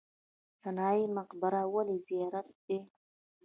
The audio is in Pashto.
سنايي مقبره ولې زیارت دی؟